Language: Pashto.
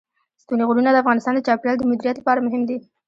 ستوني غرونه د افغانستان د چاپیریال د مدیریت لپاره مهم دي.